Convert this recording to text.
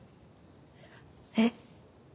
えっ？